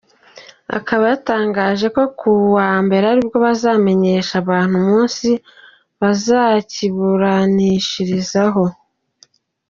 Akaba yatangaje ko kuwa mbere aribwo bazamenyesha abantu umunsi bazakiburanishirizaho.